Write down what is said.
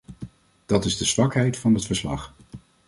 Dat is de zwakheid van het verslag.